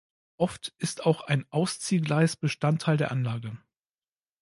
Oft ist auch ein Ausziehgleis Bestandteil der Anlage.